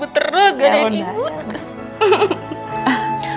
berangkat ya bukannya